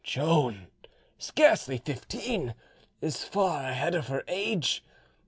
Joan, scarcely fifteen, is far ahead of her age.